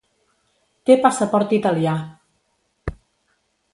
Té passaport italià.